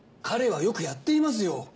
彼はよくやっていますよ。